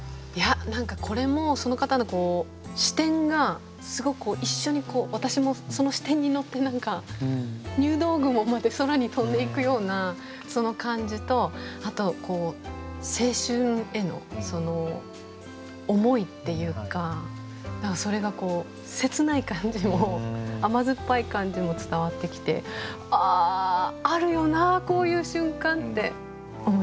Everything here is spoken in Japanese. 何かこれもその方の視点がすごく一緒にこう私もその視点に乗って何か入道雲まで空に飛んでいくようなその感じとあと青春への思いっていうか何かそれが切ない感じも甘酸っぱい感じも伝わってきて「ああるよなこういう瞬間」って思います。